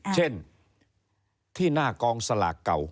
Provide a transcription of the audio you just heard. เช่นที่หน้ากองสลากเก่า